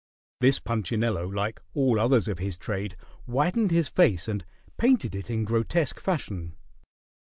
This Punchinello, like all others of his trade, whitened his face and painted it in grotesque fashion.